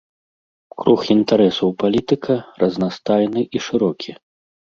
Круг інтарэсаў палітыка разнастайны і шырокі.